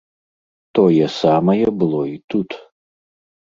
Тое самае было і тут.